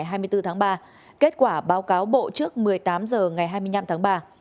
ngày hai mươi bốn tháng ba kết quả báo cáo bộ trước một mươi tám h ngày hai mươi năm tháng ba